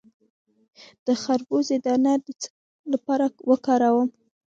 د خربوزې دانه د څه لپاره وکاروم؟